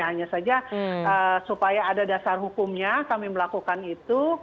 hanya saja supaya ada dasar hukumnya kami melakukan itu